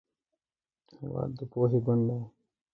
هېواد د پوهې بڼ دی.